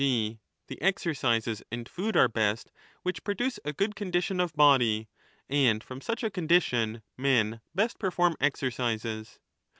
g. the exercises and 25 food are best which produce a good condition of body, and from such a condition men best perform exercises).